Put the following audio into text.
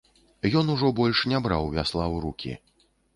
Ён ужо больш не браў вясла ў рукі.